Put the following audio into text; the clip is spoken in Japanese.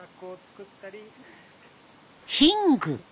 ヒング。